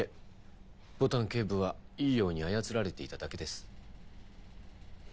牡丹警部はいいように操られていただけです。